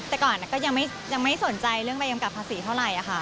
แต่ก่อนก็ยังไม่สนใจเรื่องใบกำกับภาษีเท่าไหร่ค่ะ